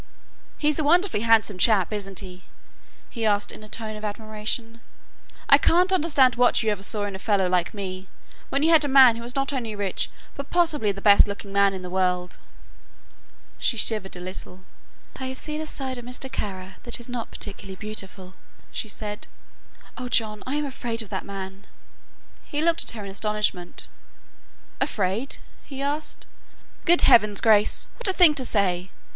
"He's a wonderfully handsome chap, isn't he?" he asked in a tone of admiration. "I can't understand what you ever saw in a fellow like me, when you had a man who was not only rich, but possibly the best looking man in the world." She shivered a little. "I have seen a side of Mr. Kara that is not particularly beautiful," she said. "Oh, John, I am afraid of that man!" He looked at her in astonishment. "Afraid?" he asked. "Good heavens, Grace, what a thing to say!